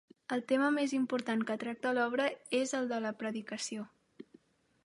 El tema més important que tracta l'obra és el de la predicació.